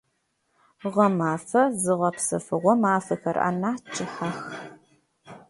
Гъэмэфэ зыгъэпсэфыгъо мафэхэр анахь кӏыхьэх.